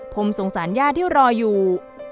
ผมสงสารย่าที่รออยู่